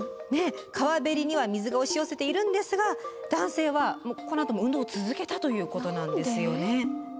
川べりには水が押し寄せているんですが男性はこのあとも運動を続けたということなんですよね。